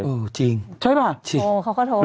เออจริงใช่ป่ะโอ้เขาก็โทรมา